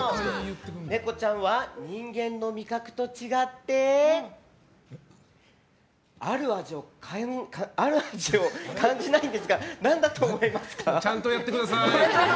ネコちゃんは人間の味覚と違ってある味を感じないんですがちゃんとやってください。